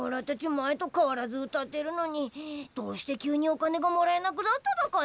前とかわらず歌ってるのにどうして急にお金がもらえなくなっただかね？